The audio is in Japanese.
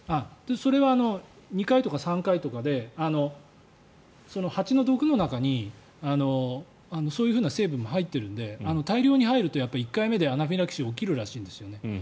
それは２回とか３回とかでその蜂の毒の中にそういう成分が入っているので大量に入ると１回目でアナフィラキシーが起こるらしいんですね。